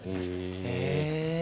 へえ。